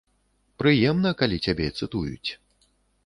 Прыемна, калі цябе цытуюць.